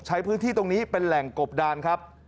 ใช้พื้นที่ตรงนี้เป็นแหล่งกบดานครับ